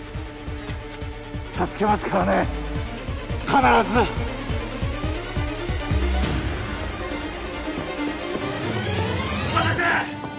助けますからね必ず音羽先生！